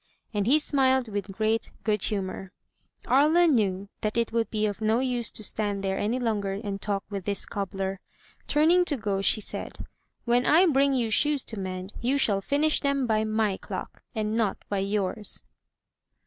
And he smiled with great good humor. Aria knew that it would be of no use to stand there any longer and talk with this cobbler. Turning to go, she said: "When I bring you shoes to mend, you shall finish them by my clock, and not by yours."